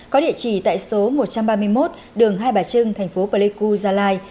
có địa chỉ tại số một trăm ba mươi một đường hai bà trưng thành phố pleiku gia lai